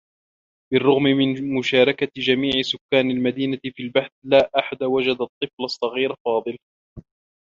بالرّغم من مشاركة جميع سكّان المدينة في البحث، لا أحد وجد الطّفل الصّغير فاضل.